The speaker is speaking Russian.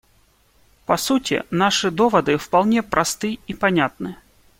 По сути, наши доводы вполне просты и понятны.